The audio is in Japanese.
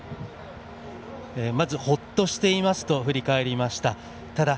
まず、ほっとしていますと振り返りました。